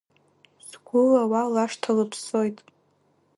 Сгәыла уа лашҭа лыԥссоит.